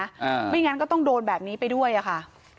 ไม่อย่างนั้นก็ต้องโดนแบบนี้ไปด้วยค่ะ